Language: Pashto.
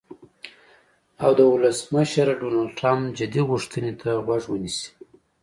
او د ولسمشر ډونالډ ټرمپ "جدي غوښتنې" ته غوږ ونیسي.